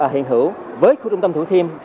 hiện hữu với khu trung tâm thủ thiêm